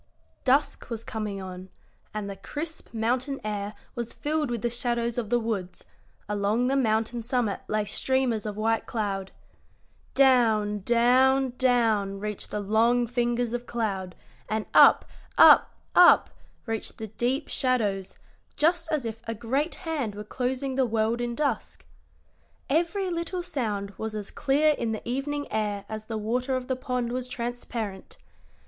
Dusk was coming on, and the crisp mountain air was filled with the shadows of the woods; along the mountain summit lay streamers of white cloud. Down, down, down reached the long fingers of cloud, and up, up, up reached the deep shadows, just as if a great hand were closing the world in dusk. Every little sound was as clear in the evening air as the water of the pond was transparent.